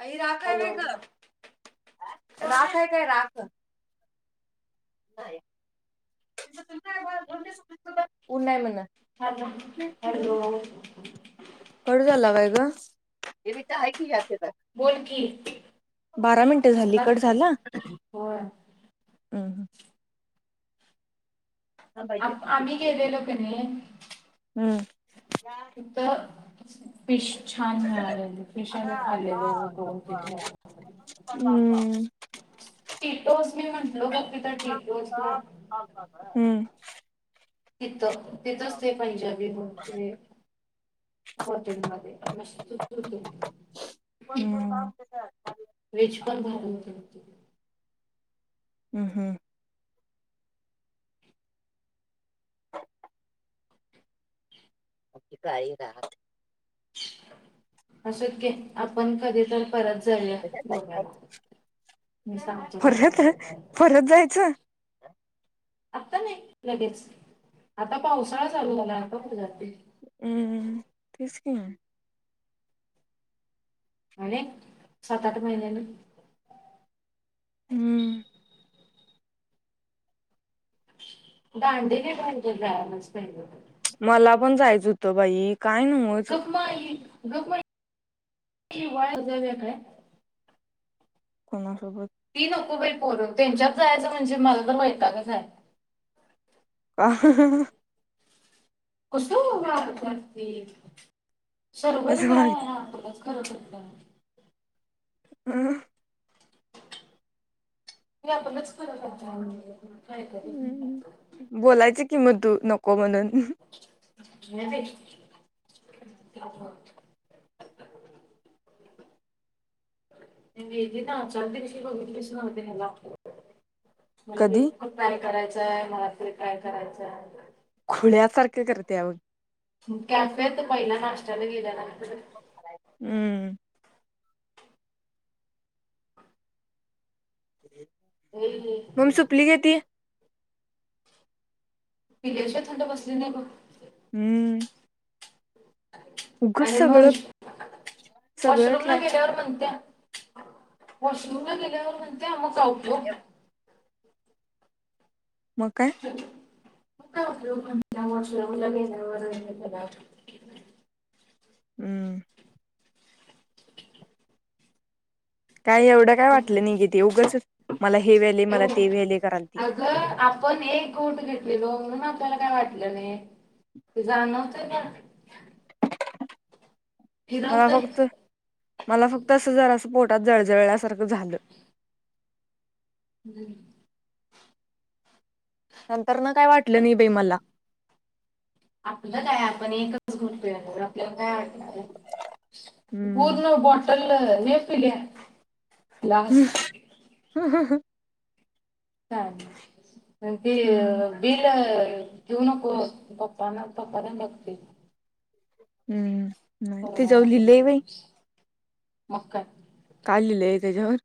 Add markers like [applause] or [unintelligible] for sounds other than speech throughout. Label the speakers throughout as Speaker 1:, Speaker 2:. Speaker 1: अ राखय
Speaker 2: हॅलो
Speaker 1: वग राखय काय राख. उ नाही म्हणणा [unintelligible]
Speaker 2: हॅल हॅलो.
Speaker 1: कडू झाला काय ग हे तर आहे की, या
Speaker 2: बोल की
Speaker 1: बारा मिनटं झाली
Speaker 2: विसरला
Speaker 1: कट झाला.
Speaker 2: होय
Speaker 1: हं
Speaker 2: आप आम्ही गेले किनय. इतर पीश छान मिळाल्या [unintelligible] आले फीशाे खालेलो दोनीज
Speaker 1: हम्म.
Speaker 2: टीटोस मी म्हंटलो बघ तिथ टीटोसला.
Speaker 1: हम्म.
Speaker 2: किथ तेत असते पाहिजाी बोलते. होटेंलमध्ये.
Speaker 1: हम्म.
Speaker 2: वेज पण भार.
Speaker 1: हम्म हम्म. काई राहात.
Speaker 2: अस की आपण कधी तर. परत जाईया गोव्याला मी सांगतो त्यांना.
Speaker 1: ह. [unintelligible]
Speaker 2: आता नाही लगेच आता पाऊस. काय चाल झालं आता कुठे जाते.
Speaker 1: हम्म तेच की
Speaker 2: आणि सात आठ महिन्यानी.
Speaker 1: हम्म.
Speaker 2: दांडी घ पाहिजे जा मत.
Speaker 1: मला पण जायचं होतं बाई. काय नव्हच
Speaker 2: गपमा गप वाळ बय.
Speaker 1: कोणासोबत.
Speaker 2: ती नकोबरी पोल त्यांच्यात जायचं म्हणजे मला तर वैतागआहे
Speaker 1: आ.
Speaker 2: कस करते
Speaker 1: तेच
Speaker 2: सर्वतय.
Speaker 1: वाट
Speaker 2: करू शकता.
Speaker 1: हम.
Speaker 2: आपणच करत लाण. कायकत.
Speaker 1: किमू नको म्हणून.
Speaker 2: नाहीदी. [inaudible] निना चचालदी विष गितस न होतनला. मला इ
Speaker 1: कधी
Speaker 2: ट्राय करायचंय मला तेरी ट्राय करायचंय.
Speaker 1: पुण्यासारखं करते मग.
Speaker 2: कॅम्प येत पहिल्या नाशत्याला गेल्याला.
Speaker 1: हम्म. हम्.
Speaker 2: [inaudible] विदेशात थंड बसली नाही ग.
Speaker 1: हम्म. उगच
Speaker 2: आणि मग
Speaker 1: सगळं सगळं
Speaker 2: वॉशरूमला
Speaker 1: ट्राय
Speaker 2: गेल्यावर म्हणत्या. वॉशरूमला गेल्यावर म्हणते मग आऊतो.
Speaker 1: म काय.
Speaker 2: र्लगे.
Speaker 1: हम्म.
Speaker 2: [inaudible]
Speaker 1: काय एवढं काय वाटलं निघे ते उगंचच मला हे वेले मला
Speaker 2: एवढं
Speaker 1: ते वेले कराती.
Speaker 2: अगं आपण एक गोठ घेतलेल म्हणून आपल्याला काय वाटलं नाही जाणवत ना.
Speaker 1: मला
Speaker 2: फिरवतंय
Speaker 1: फक्त मला फक्त अस हजारा अस पोट. जळजळसारखं झालं.
Speaker 2: हम्म.
Speaker 1: नंतर न काय वाटलं नि बे मला.
Speaker 2: आपलं काय आपण एकच घतोर आपल्याला काय वाटत.
Speaker 1: हम्म.
Speaker 2: पूर्ण बॉटल नेफ घ्या.
Speaker 1: हम् ह ह ह
Speaker 2: लेल की
Speaker 1: हम्म.
Speaker 2: बिल [inaudible] जेऊ नको पप्प ना पाप ना भक्ती
Speaker 1: हम्म नाही ते जाऊ
Speaker 2: नको
Speaker 1: लिहिलं बाई,
Speaker 2: मग काय
Speaker 1: काय लिहिलंय त्याच्यावर.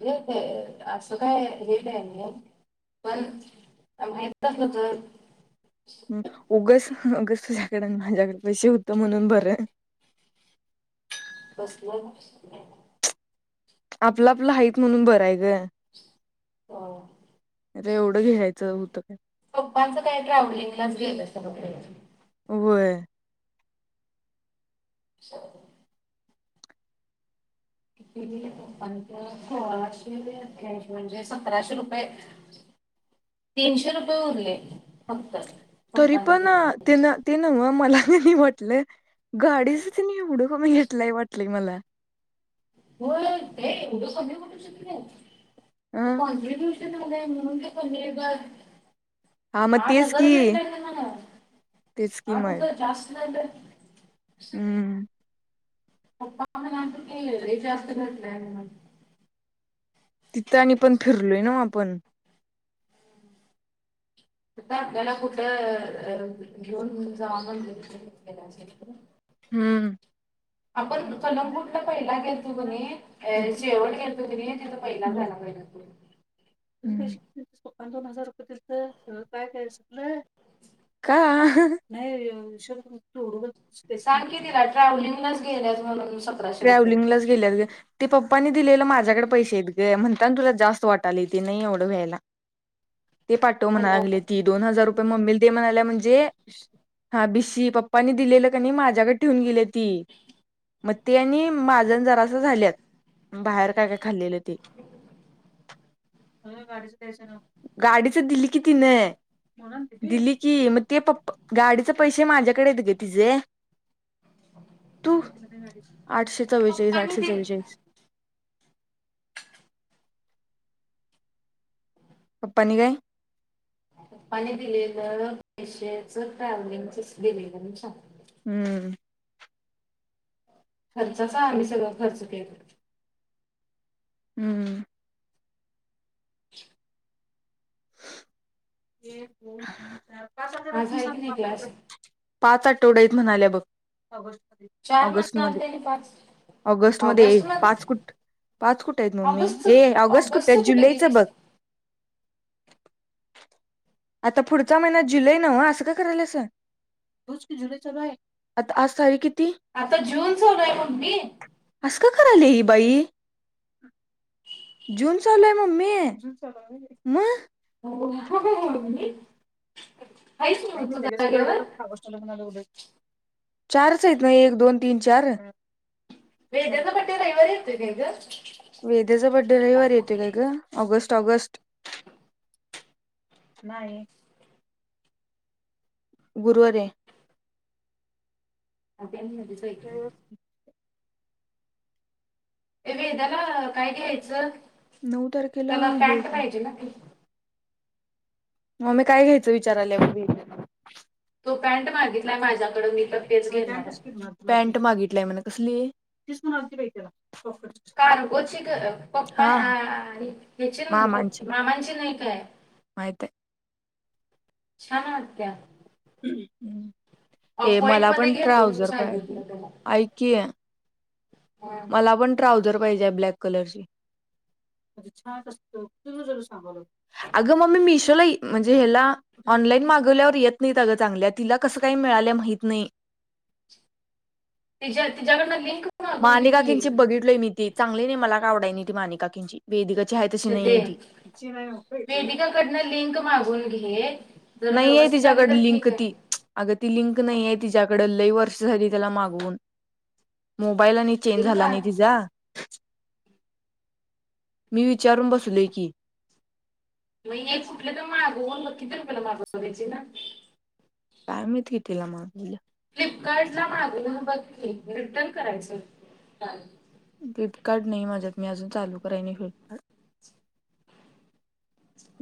Speaker 2: हे असं काय हेेत आहे. पण माहित असलं तर,
Speaker 1: हम्म उगस गस तुझ्याकडे माझ्याकडे पैसे होत म्हणून बरं आहे.
Speaker 2: बसलं.
Speaker 1: आपलं आपलं हाईत म्हणून बराय गं,
Speaker 2: हो.
Speaker 1: अरे एवढं घ्यायचं होतं काय
Speaker 2: पप्पांच काय ट्रविलिंगलाच गेलं. च
Speaker 1: होय.
Speaker 2: स सोळाशे कॅश म्हणजे सतराशे रुपये तीनशे रुपये उरले फक्त,
Speaker 1: तरी
Speaker 2: पप्पांना
Speaker 1: पण
Speaker 2: दिले
Speaker 1: ते ते न मला म्हटले. गाडीच त नाही एवढं कमी घेतलाय वाटलंय मला,
Speaker 2: हो ते एढं सधठू श
Speaker 1: अ
Speaker 2: कॉन्टबश [inaudible] मुणज पणी का
Speaker 1: हा
Speaker 2: [inaudible]
Speaker 1: मग
Speaker 2: आठ
Speaker 1: तेच की
Speaker 2: हजार घेटले म्हणा
Speaker 1: तेच की
Speaker 2: आठ
Speaker 1: मग
Speaker 2: हजार जास्त झालं
Speaker 1: हम्म
Speaker 2: पप्पा म्ह केलं जास्त घटलं आहे म [inaudible]
Speaker 1: तिथं आणि पण फिरलोय ना आपण,
Speaker 2: आ आपल्याला कुठं घेऊन जा म्ह
Speaker 1: हम्म.
Speaker 2: ह [inaudible] आपण कलकूटला पहिला घेतो की नाही शेवट घेतो की नाही तिथं पहिला जायला पाहिलं तु,
Speaker 1: दोन हजार रुपये दि सगळं काय करायचं आपलं. ह नाही.
Speaker 2: सांग की तिला ट्रॅव्हलिंगलाच गेल्या म्हणून, सतराशे रुपये
Speaker 1: ट्रॅव्हलिंगलाच गेल्यात ग ते प् पप्पानी दिलेलं माझ्याकडे पैसेेत ग म्हणता तुला जास्त वाटाले ते नाही एवढं व्हायला. ते पाठव म्हणा
Speaker 2: हॅलो
Speaker 1: लागली ती दोन हजार रुपये मम्मीला ते म्हणाल्या म्हणजे? हा बिशी पप्पानी दिलेलं का नी माझ्याकडे ठेऊून गेली ती म ते आणि माजन जरास झाल्यात बाहेर काय काय खाल्लेलं ते. [unintelligible] गाडीच दिली कि तिन. दिली की मग ते पप्पा गाडीचे पैसे माझ्याकडे येत ग तिझे. तू आठशे चव्वेचाळीस
Speaker 2: पप्पानी
Speaker 1: आठशे
Speaker 2: दिले
Speaker 1: चव्वेचाळीस पप्पांनी काय?
Speaker 2: पप्पाने दिलेलं पैशेच ट्रॅव्हलिंगचच दिलेलं मी सांगत.
Speaker 1: हम्म.
Speaker 2: खर्चाचा आम्ही सगळं खर्च केलु.
Speaker 1: हम्म. एक दोन
Speaker 2: आज
Speaker 1: तीन
Speaker 2: आहे
Speaker 1: चार
Speaker 2: की नाही क्लास
Speaker 1: पाच [unintelligible] पाच आठवड्यात म्हणाल्या बघ.
Speaker 2: चार
Speaker 1: ऑगस्ट
Speaker 2: म्हणाल
Speaker 1: मध्ये
Speaker 2: त्याने पाच
Speaker 1: ऑगस्ट मध्ये पाच कुट पाच कुठे आहेत मम्मी
Speaker 2: ऑगस्ट
Speaker 1: ए ऑगस्ट कुठे आहेत
Speaker 2: ऑगस्टच
Speaker 1: जुलैच
Speaker 2: गेलीस
Speaker 1: बघ.
Speaker 2: [unintelligible]
Speaker 1: आता पुढचा महिना्यात जुलै नव्ह असं का करायला सं. ह्योच की जुलै चालू आहे आज तारीख की
Speaker 2: आता जून चालुय आहे मम्मी.
Speaker 1: असं का करायल्या ही बाई! जुन चालू ये मम्मी जून चालु ये आहे म
Speaker 2: हो [inaudible]
Speaker 1: [inaudible]
Speaker 2: तू जागेवर
Speaker 1: चारच आहेत ना एक दोन तीन चार
Speaker 2: वेद्या चा बडे रविवारी येतो काय ग?
Speaker 1: वेद्याचा बड्डे रविवारी येतो काय ग ऑगस्ट ऑगस्ट नाही गुरुवारी आहे
Speaker 2: ती मुलगीच आहे की हे वेद्याला काय घ्यायचं?
Speaker 1: नऊ तारखेला
Speaker 2: त्याला
Speaker 1: हे
Speaker 2: पॅन्ट पाहिजे ना?
Speaker 1: मम्मी काय घ्यायचं विचाराल्या बग दीदी
Speaker 2: तो पॅन्ट मागितलाय माझ्याकडे मी तर तेच घेणार आहे
Speaker 1: पॅन्ट मागितलाय म्हणा कसली तिच म्हणालती बाई कसली
Speaker 2: करको ची कर पप्पा
Speaker 1: हा हा
Speaker 2: आणि हेची नाही का मामांची नाही काय?
Speaker 1: माहिती ये.
Speaker 2: छान वाटत्या.
Speaker 1: हम्म हम्म ए
Speaker 2: पॉइंट
Speaker 1: मला
Speaker 2: मध्ये
Speaker 1: पण
Speaker 2: घेतो म्हणून
Speaker 1: ट्राऊझर
Speaker 2: सांगितलं
Speaker 1: पाहिजे
Speaker 2: तुला
Speaker 1: ऐक की.
Speaker 2: हा.
Speaker 1: मला पण ट्राऊझर पाहिजे ब्लॅक कलरची. छानत असत [inaudible] अग मम्मी मिशोला म्हणजे ह्याला. ऑनलाईन मागवल्यावर येत नाही त्या अग चांगल्या तिला कसं काही मिळाल्या माहित नाही.
Speaker 2: तिच्या तिच्याकडून लिंक मागून घे
Speaker 1: मानी
Speaker 2: की
Speaker 1: काकी न ची बघितलोय मी ती चांगली नाही मला का आवडाय नाही ती मानी काकीची वेदिकाची आहे तशी नाही
Speaker 2: श्रद्धे
Speaker 1: आहे ती. [inaudible]
Speaker 2: वेदिकाकडनं लिंक मागून घे जर
Speaker 1: नाहीये
Speaker 2: व्यवस्थित आली
Speaker 1: तिच्याकड
Speaker 2: तर
Speaker 1: लिंक
Speaker 2: ठीक
Speaker 1: ती
Speaker 2: आहे
Speaker 1: अग ती लिंक नाहीये तिच्याकडे लही वर्ष झाली त्याला मागवून मोबाईल आणि चेंज
Speaker 2: लिंक
Speaker 1: झाला
Speaker 2: आण
Speaker 1: नाही तिचा. मी विचारून बसलोय की.
Speaker 2: नाहीये कुठल तर मागवून बग की किती रुपय ला मागवली तिनं
Speaker 1: काय माहिती कीतिला मागवल्या
Speaker 2: फ्लिपकार्ट ला मागून बघकी रिटर्न करायचं का
Speaker 1: फ्लिपकार्ट नाही माझ्यात मी अजून चालू कराय नाही फ्लिपकार्ट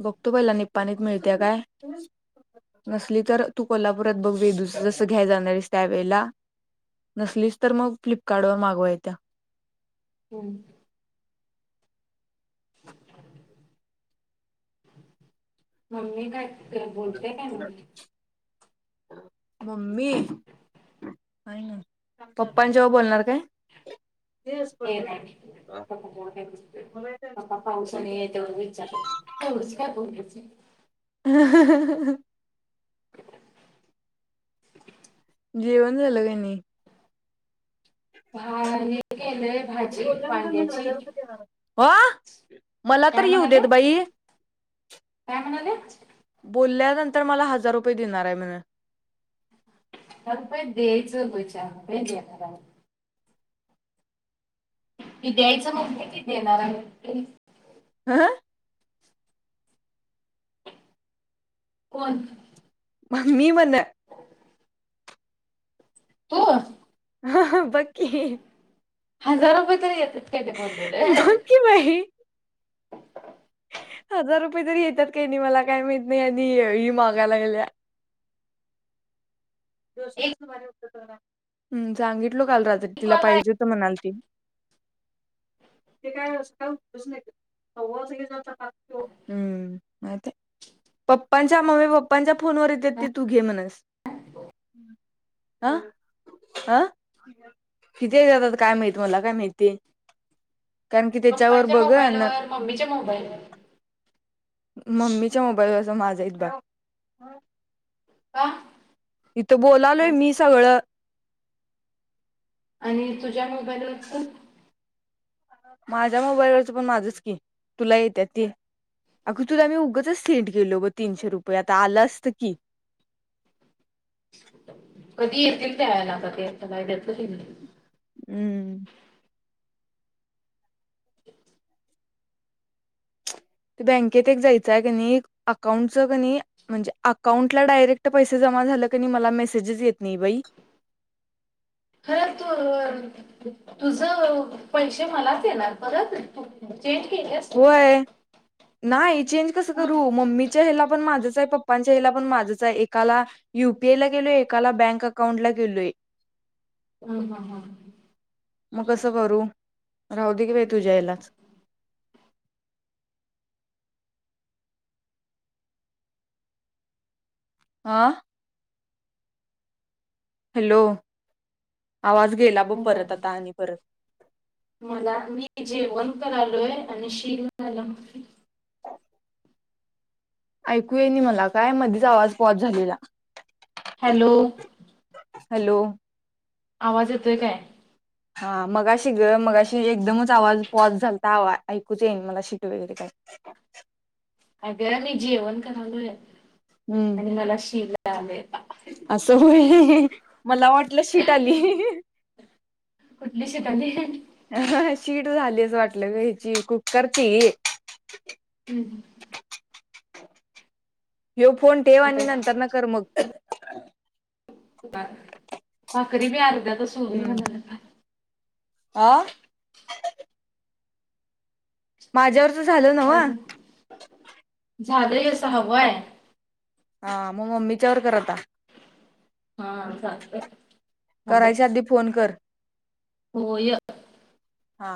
Speaker 1: बघ तो पहिला निपपाणीत मिळते्या काय नसली तर तू कोल्हापुरात बघ ब वेदु जसं घ्यायला जाणारस त्यावेेळेला नसलीच तर मग फ्लिपकार्टवर मागवा येत्या
Speaker 2: हम् [unintelligible] मम्मी काय कराल्या बोलतय काय नाही
Speaker 1: मम्मी आहे ना पप्पां च्यावर बोलणार काय
Speaker 2: हे नाही [inaudible] पपा पाऊसाने आहे तेवढं विचारत तेवढच काय
Speaker 1: [inaudible] जेवण झालं काय नाही
Speaker 2: हा हे भाजी वांग्याची
Speaker 1: हो मला तर
Speaker 2: काय
Speaker 1: येऊ
Speaker 2: म्हणाले
Speaker 1: देत बाई
Speaker 2: काय म्हणाले
Speaker 1: तर मला हजार रुपये देणार आहे म्ह
Speaker 2: अप दचच भ की द्यायचं मुि येणार आहे
Speaker 1: हा
Speaker 2: कन
Speaker 1: म्मी म्हण
Speaker 2: तू
Speaker 1: हा बाकी
Speaker 2: हजार रुपये तरी येतात का ते कोलेलं
Speaker 1: बक्की बाई हजार रुपये तरी येतात काही नाही मला काय माहित नाही आणि ही माहागा लागल्या
Speaker 2: [unintelligible] एक
Speaker 1: सांगितलो काल तिला
Speaker 2: आहे
Speaker 1: पाहिजे तर म्हणाल ती ते काय असत ् पप्पांच्या मम्मी पप्पांच्या फोनवर येते तेी तू घे म्हणस आा अं कितीे जातात काय माहिती मला काय माहिती कारण कि त्याच्यावर
Speaker 2: पप्पाच्या
Speaker 1: बघ ना
Speaker 2: मोबाईलवर मम्मीच्या मोबाईलवर
Speaker 1: मम्मीच्या मोबाईलवर अस माझाहीत बग
Speaker 2: का
Speaker 1: इथं बोलालोय मी सगळं
Speaker 2: आणि तुझ्या मोबाईलाच
Speaker 1: माझ्या मोबाईलवरचं पण माझंच की तुला येते ते अगं तुला मी उगंच सेंड केलो ब तीनशे रुपये आता आलं असतं की
Speaker 2: कधी येतील तेयला कधीला देत
Speaker 1: हम्म बँकेत एक जायचय क अकाउंट क म्हणजे अकाउंटला डायरेक्ट पै म
Speaker 2: खरं तू तुझ पैसे मलाच येणार परत चेंज केले असते ना
Speaker 1: होय नाही चेंज कस करू
Speaker 2: हं.
Speaker 1: म्मीच्या ह पण माझ पप्पांच्या हला पण माझच आहे एकाला युपीआय ला गेलोय एकाला बँक अकाउंट ला गेलोय
Speaker 2: हम हा हा
Speaker 1: राह दे की बाय तुझ्या यायलाच आा हॅलो आवाज गेला बघ परत आता आणि परत
Speaker 2: [unintelligible] मला मी जे वंत आल य आणि शि झाला
Speaker 1: ऐकूय न मला काय मध्ये आवाज पॉस झालेला
Speaker 2: हॅलो
Speaker 1: हॅलो
Speaker 2: आवाज येतोय काय
Speaker 1: हा मगा शि ग मगाशी एकदमच आवाज पॉज झालता आवा ऐकूच येईन मला शिकट वगैरे काही
Speaker 2: [unintelligible] अगे मी जेवण करालोय
Speaker 1: हम्म
Speaker 2: आणि मला शिला आले
Speaker 1: असं होय मला वाटलं शीट आली
Speaker 2: तेता ह
Speaker 1: ह शीट झाली असं वाटलं ग ह्याची कुक्करची
Speaker 2: हूं!
Speaker 1: येऊ फोन ठेव, आणि
Speaker 2: आता
Speaker 1: नंतर ना कर मग
Speaker 2: भाकरी मी अर्ध्या [unintelligible]
Speaker 1: आ! माझ्यावरच झालं नव
Speaker 2: झालेय हे सांगवा हे आहे
Speaker 1: हा मग मम्मीच्या वर कर आता
Speaker 2: हा चालतंय थांबे
Speaker 1: करायच्या अधी फोन कर
Speaker 2: होय.
Speaker 1: हा!